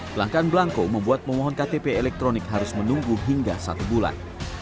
kelangkaan belangko membuat pemohon ktp elektronik harus menunggu hingga satu bulan